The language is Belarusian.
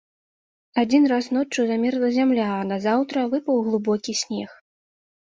Адзін раз ноччу замерзла зямля, а назаўтра выпаў глыбокі снег.